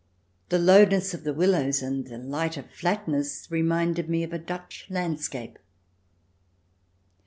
The lowness of the willows and the light of flatness reminded me of a Dutch landscape.